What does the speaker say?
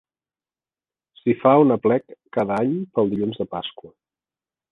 S'hi fa un aplec cada any, pel dilluns de Pasqua.